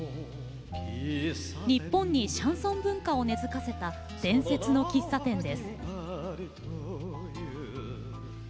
日本にシャンソン文化を根づかせた伝説の喫茶店です。